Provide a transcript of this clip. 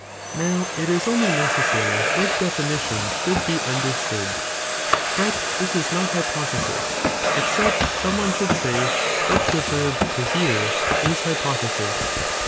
Now it is only necessary that definitions should be understood, but this is not hypothe sis, except some one should say that the verb to hear is hypo thesil.